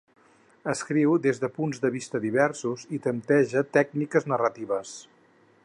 Escriu des de punts de vista diversos i tempteja tècniques narratives.